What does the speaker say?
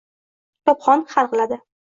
kitobxon hal qiladi.